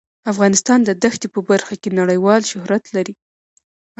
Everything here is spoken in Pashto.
افغانستان د دښتې په برخه کې نړیوال شهرت لري.